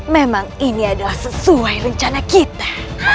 memang ini adalah sesuai rencana kita